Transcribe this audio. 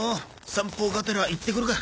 散歩がてら行ってくるか。